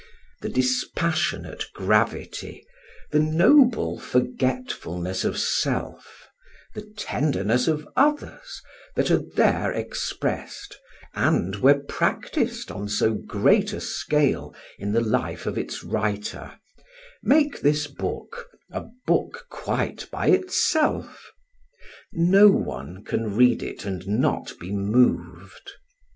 The dispassionate gravity, the noble forgetfulness of self, the tenderness of others, that are there expressed and were practised on so great a scale in the life of its writer, make this book a book quite by itself. No one can read it and not be moved.